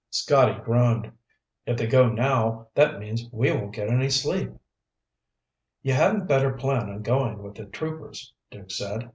Scotty groaned. "If they go now, that means we won't get any sleep." "You hadn't better plan on going with the troopers," Duke said.